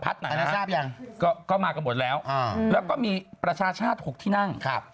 ไหนทราบยังก็มากันหมดแล้วแล้วก็มีประชาชาติ๖ที่นั่ง